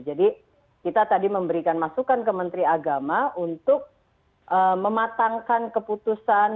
jadi kita tadi memberikan masukan ke menteri agama untuk mematangkan keputusan